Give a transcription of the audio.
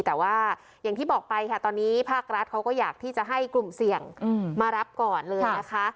แต่ว่าอย่างที่บอกไปค่ะตอนนี้ภาครัฐเขาก็อยากที่จะให้กลุ่มเสี่ยงมารับก่อนเลยนะคะ